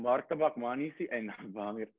martabak manis sih enak pak amir